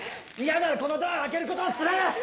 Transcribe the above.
嫌ならこのドアを開けることを勧める！